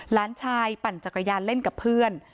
หลานชายปั่นจักรยานเล่นกับเพื่อน